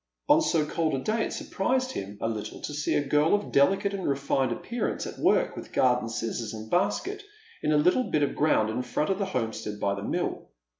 On ^o cold a day it surprised him a little to see a girl of delicate and /efined appearance at work with garden scissors and basket in the little bit of ground in front of the homestead by the mill.